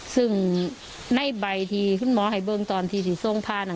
ซึ่งในใบที่คุณหมอให้เบิงตอนที่ที่ทรงพาน่ะ